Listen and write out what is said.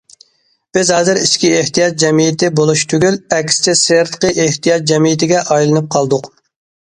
بىز ھازىر ئىچكى ئېھتىياج جەمئىيىتى بولۇش تۈگۈل ئەكسىچە سىرتقى ئېھتىياج جەمئىيىتىگە ئايلىنىپ قالدۇق.